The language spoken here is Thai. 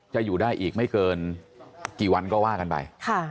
จะอยู่ได้อีกไม่เกินกี่วันก็ว่ากันไป